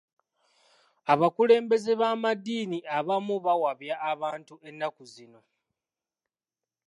Abakulembeze b'amaddiini abamu bawabya abantu ennaku zino.